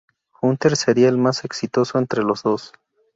Hunter sería el más exitoso entre los dos.